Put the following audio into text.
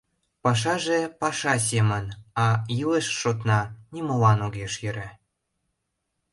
Пашаже паша семын, а илыш шотна нимолан огеш йӧрӧ.